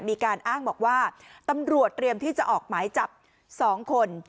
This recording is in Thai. มีการอ้างบอกว่าตำรวจเตรียมที่จะออกหมายจับ๒คน